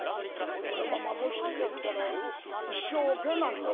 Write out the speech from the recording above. このまま無筆でいたら一生下男のままじゃ」。